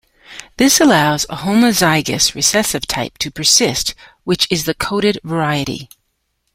This allows a homozygous recessive type to persist, which is the coated variety.